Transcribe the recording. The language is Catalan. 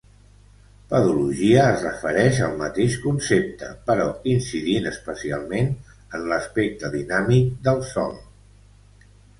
Pedologia es refereix al mateix concepte però incidint especialment en l'aspecte dinàmic del sòl.